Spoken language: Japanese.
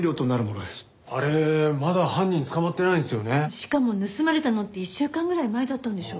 しかも盗まれたのって１週間ぐらい前だったんでしょ？